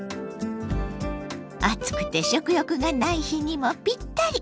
暑くて食欲がない日にもぴったり！